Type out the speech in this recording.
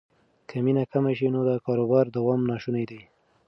که مینه کمه شي نو د کاروبار دوام ناشونی دی.